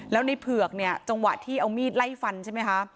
แล้วในเผือกเนี่ยจังหวะที่เอามีดไล่ฟันใช่ไหมคะ